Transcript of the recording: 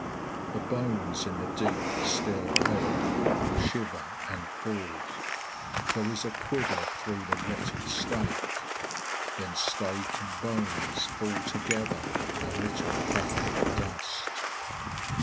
The bones in the deep, still earth shiver and pull. There is a quiver through the rotted stake. Then stake and bones fall together in a little puffing of dust.